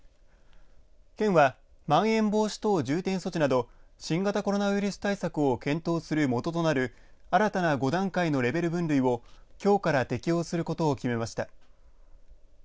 県はまん延防止等重点措置など新型コロナウイルス対策を検討する元となる新たな５段階のレベル分類をきょうから適用することを決めました。